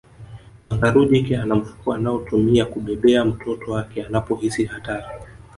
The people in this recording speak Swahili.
Kangaroo jike ana mfuko anaotumia kubebea mtoto wake anapohisi hatari